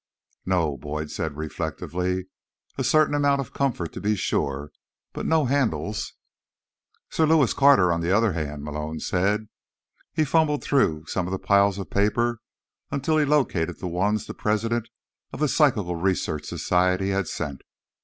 "No," Boyd said reflectively. "A certain amount of comfort, to be sure, but no handles." "Sir Lewis Carter, on the other hand—" Malone said. He fumbled through some of the piles of paper until he had located the ones the president of the Psychical Research Society had sent.